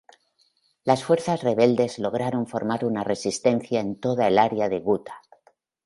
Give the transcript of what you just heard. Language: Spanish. Las fuerzas rebeldes lograron formar una resistencia en toda el área de Guta.